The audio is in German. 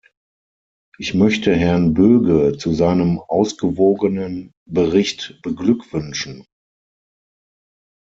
Ich möchte Herrn Böge zu seinem ausgewogenen Bericht beglückwünschen.